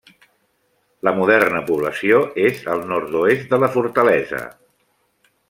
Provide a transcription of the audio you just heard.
La moderna població és al nord-oest de la fortalesa.